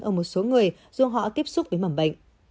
ở một số người dù họ tiếp xúc với mầm bệnh